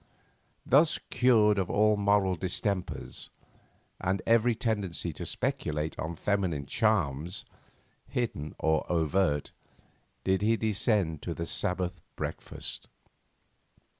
Thus, cured of all moral distempers, and every tendency to speculate on feminine charms, hidden or overt, did he descend to the Sabbath breakfast.